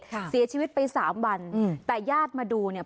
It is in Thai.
เสียชีวิตไปสามวันอืมแต่ญาติมาดูเนี่ย